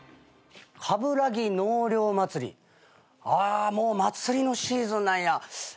「冠城納涼祭り」あもう祭りのシーズンなんや。